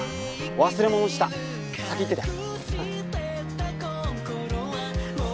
忘れ物した先行ってて。